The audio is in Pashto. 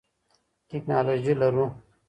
ټکنالوژي لرو.